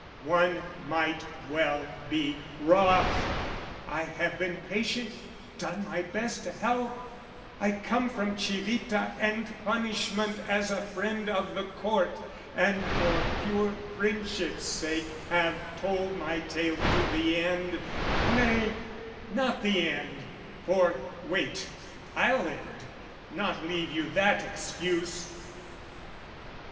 One might well be wroth; I have been patient, done my best to help: I come from Civita and punishment As a friend of the court and for pure friendship's sake Have told my tale to the end, nay, not the end For, wait I'll end not leave you that excuse!